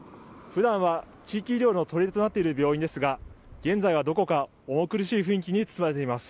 普段は地域医療のとりでとなっている病院ですが現在は、どこか重苦しい雰囲気に包まれています。